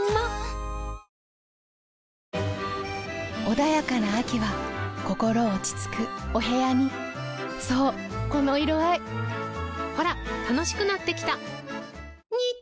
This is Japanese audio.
穏やかな秋は心落ち着くお部屋にそうこの色合いほら楽しくなってきた！